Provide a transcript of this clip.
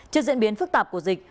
trước diễn biến phức tạp của dịch